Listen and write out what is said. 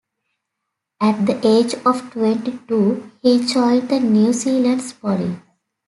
At the age of twenty-two, he joined the New Zealand Police.